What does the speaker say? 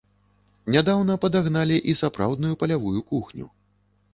Нядаўна падагналі і сапраўдную палявую кухню.